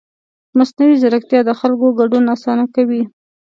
مصنوعي ځیرکتیا د خلکو ګډون اسانه کوي.